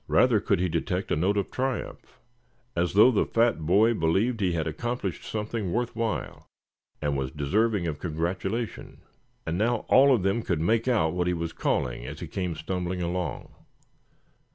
Rather could he detect a note triumph, as though the fat boy believed he had accomplished something worth while, and was deserving of congratulation. And now all of them could make out what he was calling as he came stumbling along.